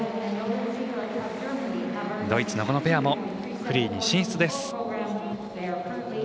ドイツのこのペアもフリーに進出です。